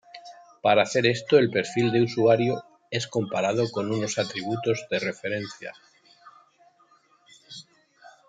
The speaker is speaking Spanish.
Para hacer esto el perfil de usuario es comparado con unos atributos de referencia.